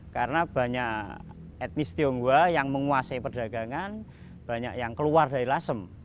karena banyak etnis tionghoa yang menguasai perdagangan banyak yang keluar dari lasem